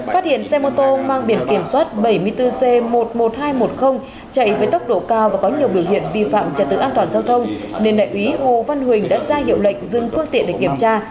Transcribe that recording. phát hiện xe mô tô mang biển kiểm soát bảy mươi bốn c một mươi một nghìn hai trăm một mươi chạy với tốc độ cao và có nhiều biểu hiện vi phạm trả tự an toàn giao thông nên đại úy hồ văn huỳnh đã ra hiệu lệnh dừng phương tiện để kiểm tra